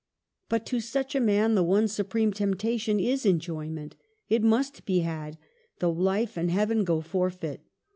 But to such a man the one supreme temptation is enjoyment: it must be had, though life and heaven go forfeit.